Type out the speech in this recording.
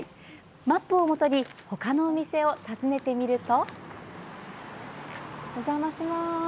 マップをもとにほかのお店を訪ねてみると。